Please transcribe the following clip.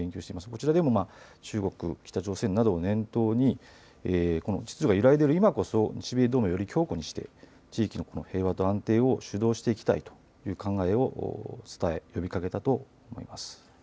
こちらでも中国、北朝鮮などを念頭にこの秩序が揺らいでいる今こそ日米同盟をより強固にして地域の平和と安定を主導していきたいという考えを伝え、呼びかけたと見られます。